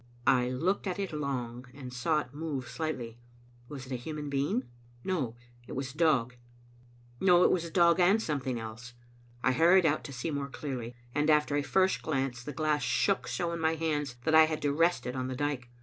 I looked at it long, and saw it move slightly. Was it a human being? No, it was a dog. No, it was a dog and something else. I hurried out to see more clearly, and after a first glance the glass shook so in my hands that I had to rest it on the dike.